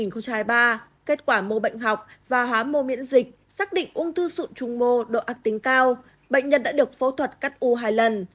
kết quả mô bệnh học và hóa mô miễn dịch xác định ung thư sụn trung mô độ ác tính cao bệnh nhân đã được phẫu thuật cắt u hai lần